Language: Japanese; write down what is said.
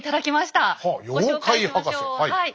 ご紹介しましょうはい。